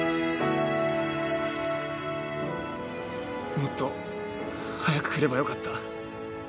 もっと早く来ればよかった。